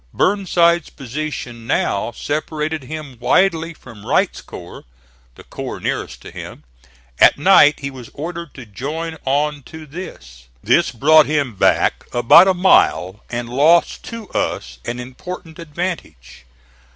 Burnside's position now separated him widely from Wright's corps, the corps nearest to him. At night he was ordered to join on to this. This brought him back about a mile, and lost to us an important advantage.